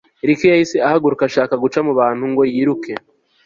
Ricky yahise ahaguruka ashaka guca mu bantu ngo yiruke